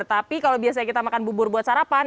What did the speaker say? tapi kalau kita biasanya makan bubur buat sarapan